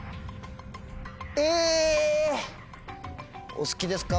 お好きですか？